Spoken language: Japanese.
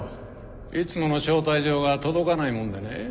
いつもの招待状が届かないもんでね。